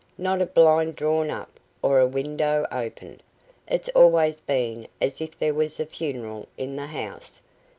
Not a blind drawn up, or a window opened. It's always been as if there was a funeral in the house.